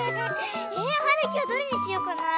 えはるきはどれにしようかなあ？